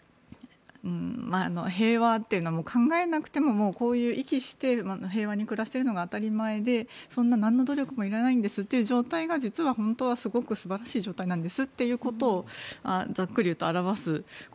平和というのは考えなくてもこういう息して平和に暮らしているのが当たり前でそんななんの努力もいらないんですっていう状態が実は本当は素晴らしい状態なんです